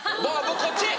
こっち？